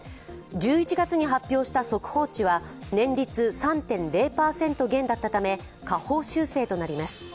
１１月に発表した速報値は年率３．０％減だったため下方修正となります。